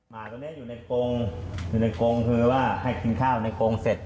หมาตัวนี้อยู่ในกงอยู่ในกรงคือว่าให้กินข้าวในกรงเสร็จ